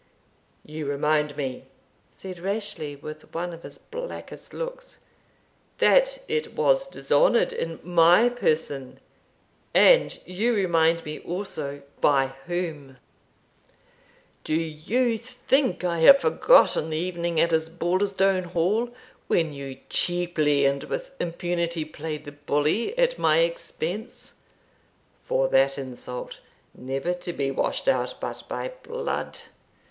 "You remind me," said Rashleigh, with one of his blackest looks, "that it was dishonoured in my person! and you remind me also by whom! Do you think I have forgotten the evening at Osbaldistone Hall when you cheaply and with impunity played the bully at my expense? For that insult never to be washed out but by blood!